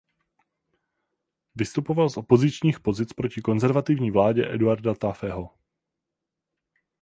Vystupoval z opozičních pozic proti konzervativní vládě Eduarda Taaffeho.